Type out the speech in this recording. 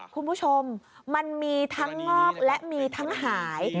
คุณผู้ชมมันมีทั้งงอกและมีทั้งหาย